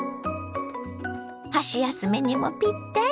箸休めにもぴったり。